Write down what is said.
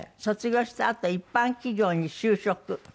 卒業したあと一般企業に就職。